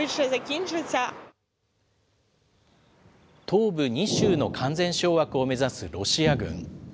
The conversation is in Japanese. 東部２州の完全掌握を目指すロシア軍。